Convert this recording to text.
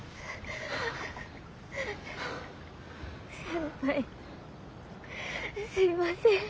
先輩すいません。